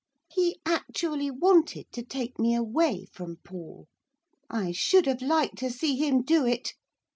He actually wanted to take me away from Paul. I should have liked to see him do it.